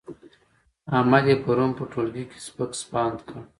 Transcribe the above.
احمد يې پرون په ټولګي کې سپک سپاند کړ.